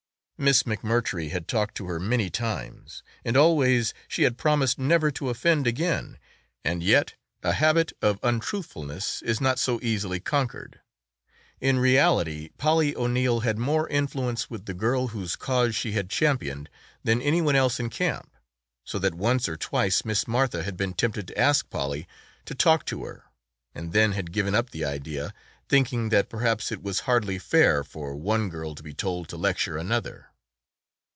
Miss McMurtry had talked to her many times and always she had promised never to offend again and yet a habit of untruthfulness is not so easily conquered. In reality, Polly O'Neill had more influence with the girl whose cause she had championed than anyone else in camp, so that once or twice Miss Martha had been tempted to ask Polly to talk to her and then had given up the idea, thinking that perhaps it was hardly fair for one girl to be told to lecture another.